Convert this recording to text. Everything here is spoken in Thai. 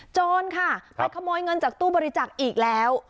โจรค่ะไปขโมยเงินจากตู้บริจาคอีกแล้ว